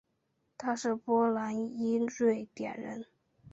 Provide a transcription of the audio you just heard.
他是波兰裔瑞典人。